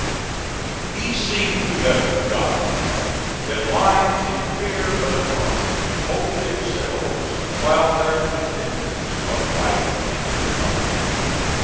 He seemed to have forgotten that lines in rear of an army hold themselves while their defenders are fighting in their front.